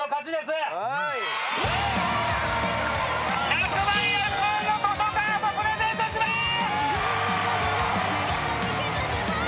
１００万円分の図書カードプレゼントします！